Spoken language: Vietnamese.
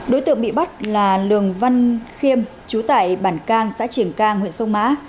đối tượng bị bắt là lường văn khiêm chú tải bản cang xã triềng cang huyện sông mã